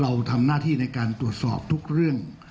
เราทำหน้าที่ในการตรวจสอบทุกเรื่อง